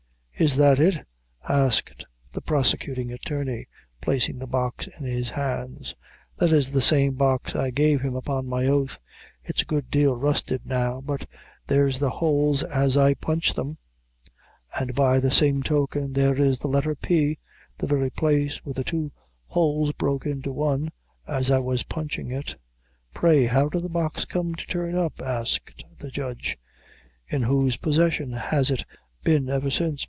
"Is that it?" asked the prosecuting attorney, placing the box in his hands. "That is the same box I gave him, upon my oath. It's a good deal rusted now, but there's the holes as I punched them; and by the same token, there is the letter P., the very place yet where the two holes broke into one, as I was punchin' it." "Pray, how did the box come to turn up?" asked the judge: "In whose possession has it been ever since?"